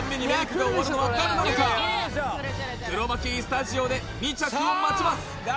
クロマキースタジオで２着を待ちます